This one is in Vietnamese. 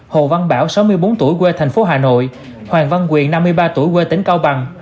hồ văn bảo sáu mươi bốn tuổi quê thành phố hà nội hoàng văn quyền năm mươi ba tuổi quê tỉnh cao bằng